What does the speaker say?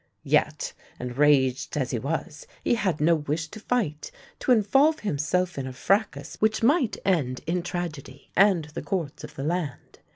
Yet, enraged as he was, he had no wish to fight; to involve himself in a fracas which might end in tragedy and the courts of the land.